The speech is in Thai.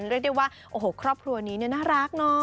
เรียกได้ว่าโอ้โหครอบครัวนี้เนี่ยน่ารักเนาะ